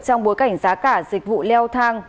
trong bối cảnh giá cả dịch vụ leo thang